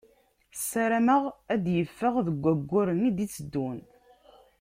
Ssarameɣ ad d-yeffeɣ deg wayyuren i d-iteddun.